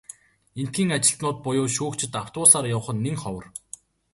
Эндэхийн ажилтнууд буюу шүүгчид автобусаар явах нь нэн ховор.